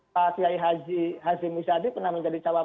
pak siai haji muzadi pernah menjadi cak wapres